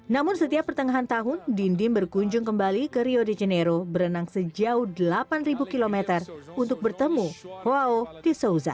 namun setiap pertengahan tahun dindim berkunjung kembali ke rio de janeiro berenang sejauh delapan km untuk bertemu wow di soza